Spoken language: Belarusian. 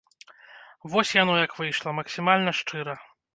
Вось як яно выйшла, максімальна шчыра.